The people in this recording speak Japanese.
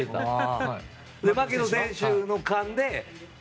槙野選手の勘で。